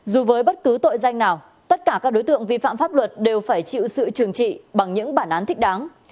dù với bất cứ tội danh nào tất cả các đối tượng vi phạm pháp luật đều phải chịu sự trừng trị bằng những bản án thích đáng